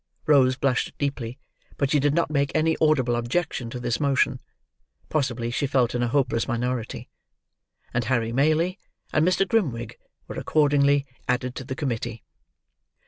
Rose blushed deeply, but she did not make any audible objection to this motion (possibly she felt in a hopeless minority); and Harry Maylie and Mr. Grimwig were accordingly added to the committee.